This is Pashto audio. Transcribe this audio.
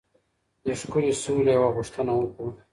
د ښكلي سولي يوه غوښتنه وكړو